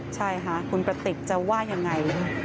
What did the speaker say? ใช่ค่ะคุณกระติกจะว่ายังไง